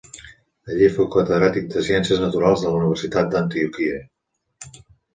Allí fou catedràtic de ciències naturals de la Universitat d'Antioquia.